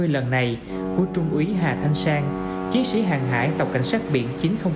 lần này của trung úy hà thanh sang chiến sĩ hàng hải tàu cảnh sát biển chín nghìn một